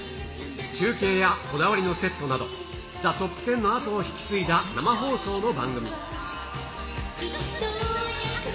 中継やこだわりのセットなど、ザ・トップテンのあとを引き継いだ生放送の番組。